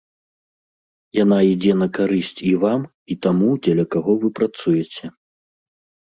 Яна ідзе на карысць і вам і таму, дзеля каго вы працуеце.